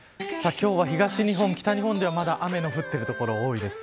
今日は東日本、北日本でもまだ雨の降っている所が多いです。